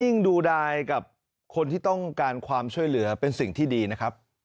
ดูดายกับคนที่ต้องการความช่วยเหลือเป็นสิ่งที่ดีนะครับ